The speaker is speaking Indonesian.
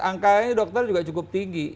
angkanya dokter juga cukup tinggi